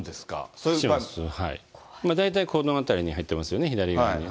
大体このあたりに入ってますよね、左側に。